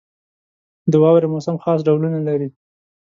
• د واورې موسم خاص ډولونه لري.